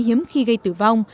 hiếm khi gây tử vong